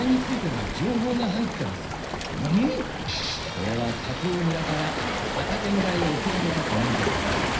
これは加藤村から佐武村へ送られた手紙です。